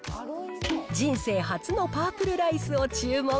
人生初のパープルライスを注文。